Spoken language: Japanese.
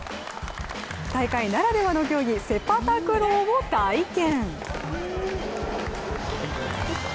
大会ならではの競技・セパタクローを体験。